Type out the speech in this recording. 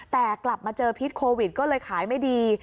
แต่กลับมาเจอพิษโควิดก็เลยขายไม่ดี